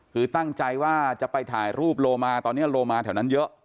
คือตั้งใจว่าจะไปถ่ายรูปโลมาตอนนี้โลมาแถวนั้นเยอะ